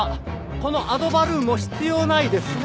このアドバルーンも必要ないですね。